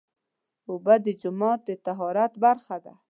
اوبه د جومات د طهارت برخه ده.